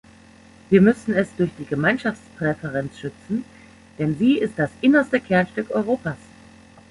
Wir müssen es durch die Gemeinschaftspräferenz schützen, denn sie ist das innerste Kernstück Europas.